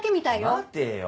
待てよ！